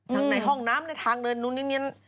ทั้งในห้องน้ำในทางเดินนู้นนิดนึง